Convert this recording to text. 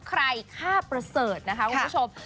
ใครฆ่าประเสริฐนะคะคุณผู้ชม